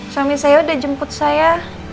suami saya udah jemput saya